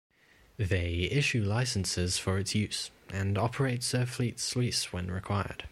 They issue licences for its use, and operate Surfleet sluice when required.